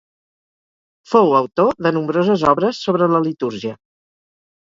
Fou autor de nombroses obres sobre la litúrgia.